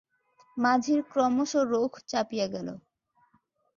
মাঝির ক্রমশ রোখ চাপিয়া গেল।